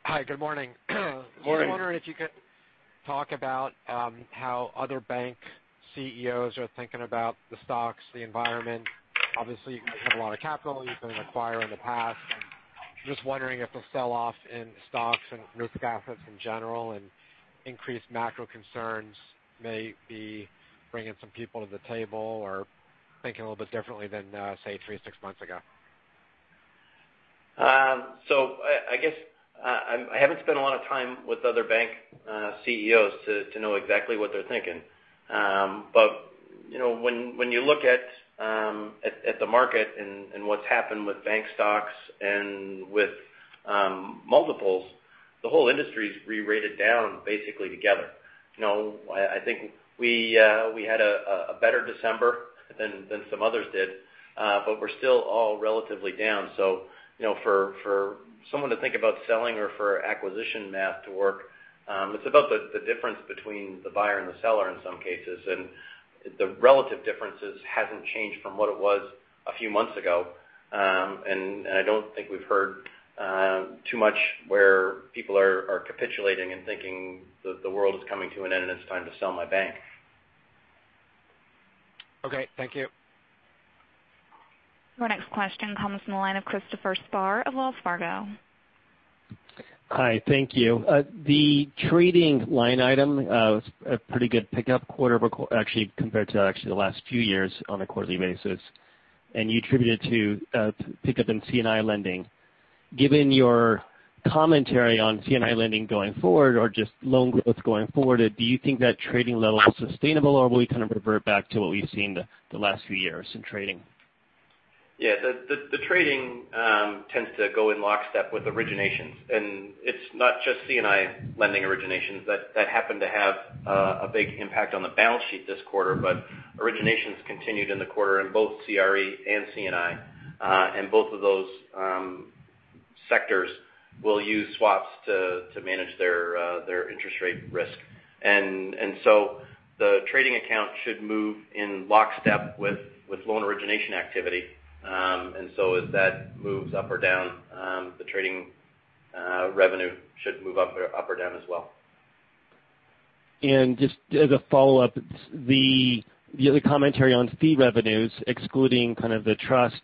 Hi, good morning. Morning. I was wondering if you could talk about how other bank CEOs are thinking about the stocks, the environment. Obviously, you guys have a lot of capital you can acquire in the past, and just wondering if the sell-off in stocks and risk assets in general and increased macro concerns may be bringing some people to the table or thinking a little bit differently than, say, three to six months ago. I guess I haven't spent a lot of time with other bank CEOs to know exactly what they're thinking. When you look at the market and what's happened with bank stocks and with multiples, the whole industry's rerated down basically together. I think we had a better December than some others did. We're still all relatively down. For someone to think about selling or for acquisition math to work, it's about the difference between the buyer and the seller in some cases. The relative differences hasn't changed from what it was a few months ago. I don't think we've heard too much where people are capitulating and thinking that the world is coming to an end and it's time to sell my bank. Okay, thank you. Your next question comes from the line of Christopher Spahr of Wells Fargo. Hi, thank you. The trading line item, a pretty good pickup compared to actually the last few years on a quarterly basis. You attribute it to a pickup in C&I lending. Given your commentary on C&I lending going forward, or just loan growth going forward, do you think that trading level is sustainable, or will we kind of revert back to what we've seen the last few years in trading? Yeah. The trading tends to go in lockstep with originations. It's not just C&I lending originations that happened to have a big impact on the balance sheet this quarter, but originations continued in the quarter in both CRE and C&I. Both of those sectors will use swaps to manage their interest rate risk. The trading account should move in lockstep with loan origination activity. As that moves up or down, the trading revenue should move up or down as well. Just as a follow-up, the other commentary on fee revenues, excluding kind of the trust,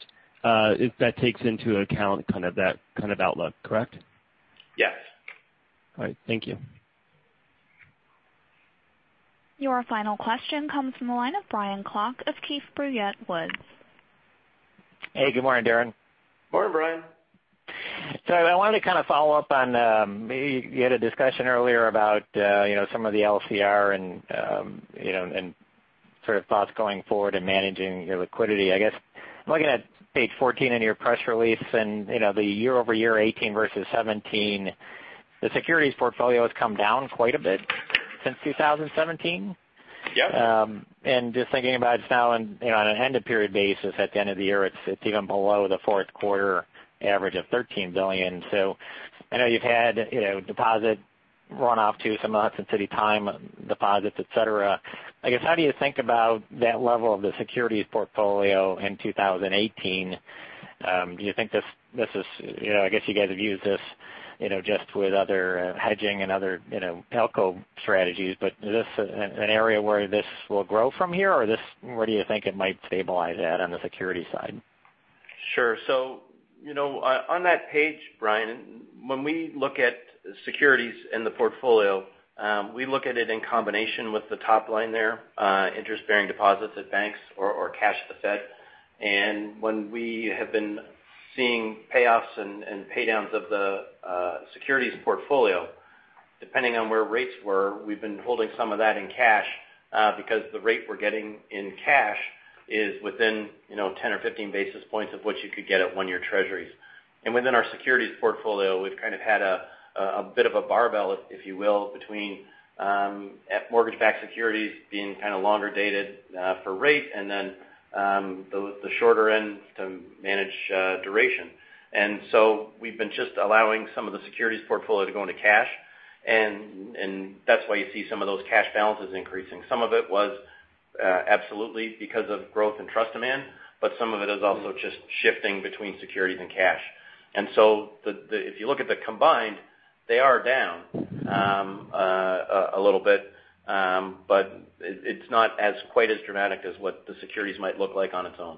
that takes into account kind of that kind of outlook, correct? Yes. All right. Thank you. Your final question comes from the line of Brian Klock of Keefe, Bruyette & Woods. Hey, good morning, Darren. Morning, Brian. I wanted to kind of follow up on, you had a discussion earlier about some of the LCR and sort of thoughts going forward and managing your liquidity. I guess I'm looking at page 14 in your press release and the year-over-year 2018 versus 2017. The securities portfolio has come down quite a bit since 2017. Yep. Just thinking about it now on an end-of-period basis at the end of the year, it's even below the fourth quarter average of $13 billion. I know you've had deposit runoff too, some of the Hudson City Time deposits, et cetera. I guess, how do you think about that level of the securities portfolio in 2018? I guess you guys have used this just with other hedging and other ALCO strategies, is this an area where this will grow from here, or where do you think it might stabilize at on the security side? Sure. On that page, Brian, when we look at securities in the portfolio, we look at it in combination with the top line there, interest-bearing deposits at banks or cash at the Fed. When we have been seeing payoffs and pay downs of the securities portfolio, depending on where rates were, we've been holding some of that in cash because the rate we're getting in cash is within 10 basis points or 15 basis points of what you could get at one-year Treasuries. Within our securities portfolio, we've kind of had a bit of a barbell, if you will, between mortgage-backed securities being kind of longer dated for rate and then the shorter end to manage duration. We've been just allowing some of the securities portfolio to go into cash, and that's why you see some of those cash balances increasing. Some of it was absolutely because of growth in trust demand, but some of it is also just shifting between securities and cash. If you look at the combined, they are down a little bit. It's not as quite as dramatic as what the securities might look like on its own.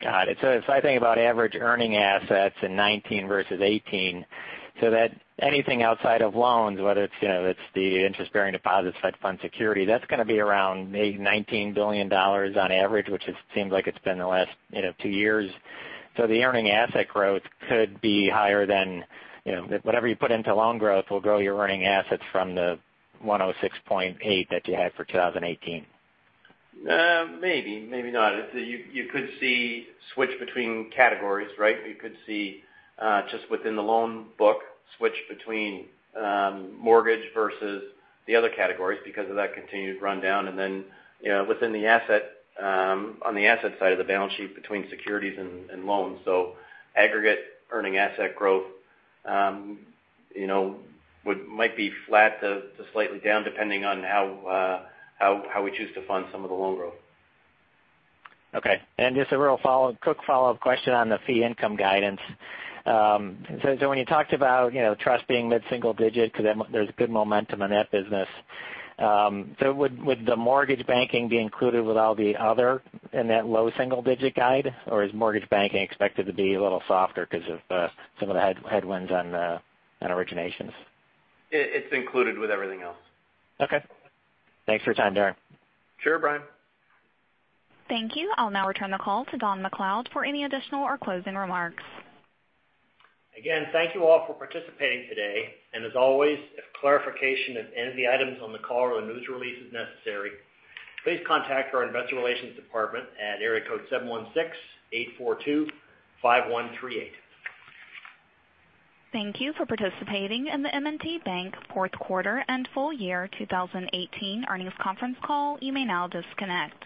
Got it. If I think about average earning assets in 2019 versus 2018, anything outside of loans, whether it's the interest-bearing deposits, Fed Fund security, that's going to be around maybe $19 billion on average, which it seems like it's been the last two years. The earning asset growth could be higher than whatever you put into loan growth will grow your earning assets from the $106.8 that you had for 2018. Maybe, maybe not. You could see switch between categories, right? You could see just within the loan book switch between mortgage versus the other categories because of that continued rundown and then within the asset on the asset side of the balance sheet between securities and loans. Aggregate earning asset growth might be flat to slightly down depending on how we choose to fund some of the loan growth. Just a real quick follow-up question on the fee income guidance. When you talked about trust being mid-single digit because there's good momentum in that business. Would the mortgage banking be included with all the other in that low single digit guide, or is mortgage banking expected to be a little softer because of some of the headwinds on originations? It's included with everything else. Okay. Thanks for your time, Darren. Sure, Brian. Thank you. I'll now return the call to Don MacLeod for any additional or closing remarks. Again, thank you all for participating today. As always, if clarification of any of the items on the call or the news release is necessary, please contact our investor relations department at area code 716-842-5138. Thank you for participating in the M&T Bank fourth quarter and full year 2018 earnings conference call. You may now disconnect.